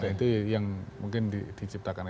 itu yang mungkin diciptakan